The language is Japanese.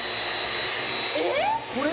えっ！？